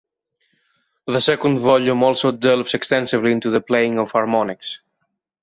The second volume also delves extensively into the playing of harmonics.